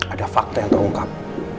ada fakta yang terungkap